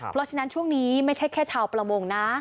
เพราะฉะนั้นช่วงนี้ไม่ใช่แค่ชาวประมงนะ